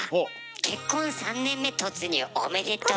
結婚３年目突入おめでとう。